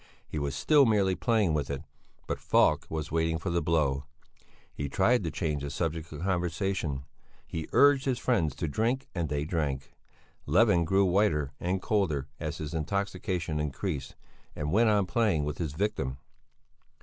He was still merely playing with it, but Falk was waiting for the blow. He tried to change the subject of conversation. He urged his friends to drink and they drank. Levin grew whiter and colder as his intoxication increased, and went on playing with his victim.